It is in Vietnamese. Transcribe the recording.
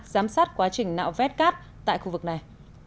giám sát quá trình nạo vét cát tại khu vực này